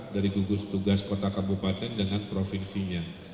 dari gugus tugas kota kabupaten dengan provinsinya